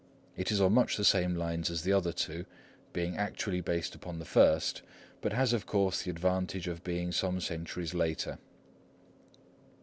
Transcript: It is on much the same lines as the other two, being actually based upon the first, but has of course the advantage of being some centuries later.